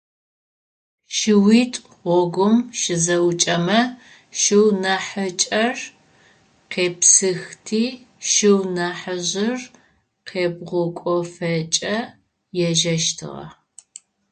Шыуитӏу гъогум щызэӏукӏэмэ, шыу нахьыкӏэр къепсыхти шыу ныхьыжъыр къебгъукӏофэкӏэ ежэщтыгъэ.